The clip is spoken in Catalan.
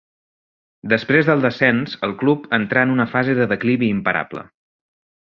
Després del descens, el Club entrà en una fase de declivi imparable.